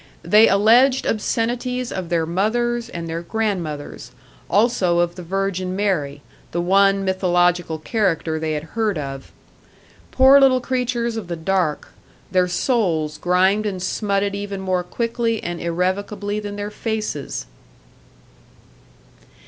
They alleged obscenities of their mothers and their grandmothers; also of the Virgin Mary, the one mythological character they had heard of. Poor little creatures of the dark, their souls grimed and smutted even more quickly and irrevocably than their faces!